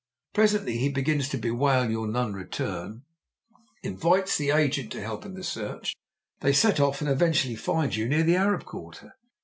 Presently he begins to bewail your non return, invites the agent to help in the search. They set off, and eventually find you near the Arab quarter.